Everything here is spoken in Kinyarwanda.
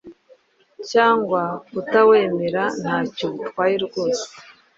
cyangwa kutawemera ntacyo bitwaye rwose.